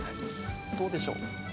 どうでしょう？